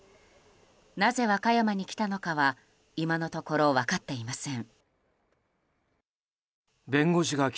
なぜ和歌山に来たのかは今のところ分かっていません。